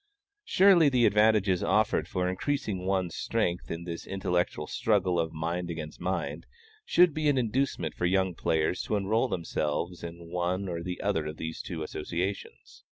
Surely the advantages offered for increasing one's strength in this intellectual struggle of mind against mind, should be an inducement for young players to enroll themselves in one or the other of these two associations.